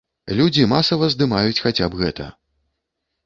Людзі масава здымаюць хаця б гэта.